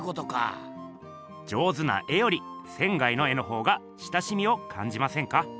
上手な絵より仙の絵のほうが親しみをかんじませんか？